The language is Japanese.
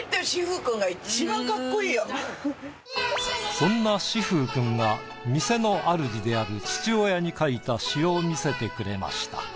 そんな詩風くんが店の主である父親に書いた詩を見せてくれました。